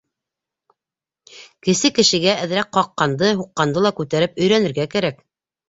Кесе кешегә әҙерәк ҡаҡҡанды, һуҡҡанды ла күтәреп өйрәнергә кәрәк.